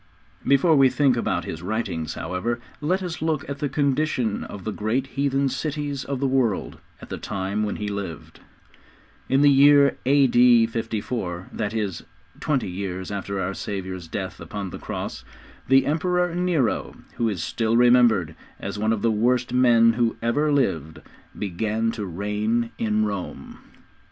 Before we think about his writings, however, let us look at the condition of the great heathen cities of the world at the time when he lived. In the year A.D. 54, that is, twenty years after our Saviour's death upon the cross, the Emperor Nero, who is still remembered as one of the worst men who ever lived, began to reign in Rome.